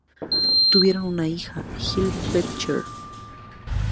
Tuvieron una hija, Jill Fletcher.